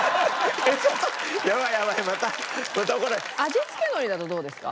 味付け海苔だとどうですか？